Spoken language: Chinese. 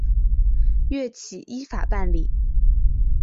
岳起依法办理。